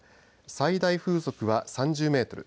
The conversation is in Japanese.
最大風速は３０メートル